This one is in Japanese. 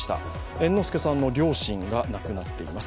猿之助さんの両親が亡くなっています。